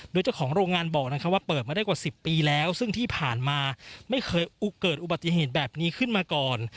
โดยเจ้าของโรงงานบอกว่าเปิดมาได้กว่า๑๐ปีแล้วซึ่งที่ผ่านมาไม่เคยเกิดอุบัติเหตุแบบนี้ขึ้นมาก่อน